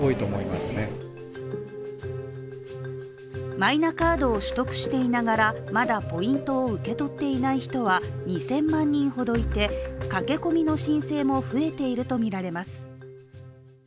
マイナカードを取得していながらまだポイントを受け取っていない人は２０００万人ほどいて駆け込みの申請も増えているとみられます。